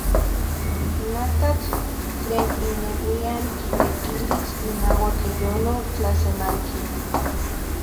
Nakatl tlen ineuian kitekilis inauak iyolo tlasemanki.